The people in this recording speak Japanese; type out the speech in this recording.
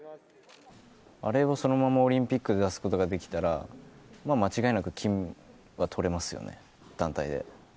あれをそのままオリンピックで出すことができたら、まあ、間違いなく金はとれますよね、団体で。